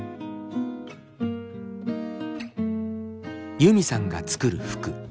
ユミさんが作る服。